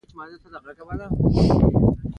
دیوال ته لاس ور ووړ رابر غوندې و ژور و.